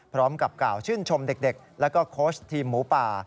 พร้อมกับกล่าวชื่นชมเด็กและโค้ชทีมหมูป่า